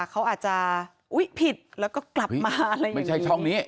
เขาอาจจะอุ๊ยผิดแล้วก็กลับมาอะไรอย่างนี้